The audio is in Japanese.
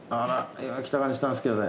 今きた感じしたんですけどね。